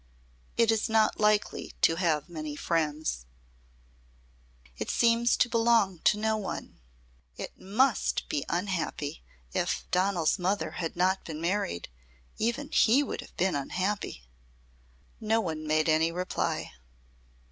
"It is not likely to have many friends." "It seems to belong to no one. It must be unhappy. If Donal's mother had not been married even he would have been unhappy." No one made any reply.